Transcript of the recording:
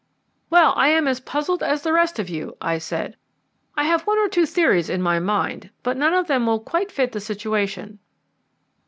"Well, I am as puzzled as the rest of you," I said. "I have one or two theories in my mind, but none of them will quite fit the situation."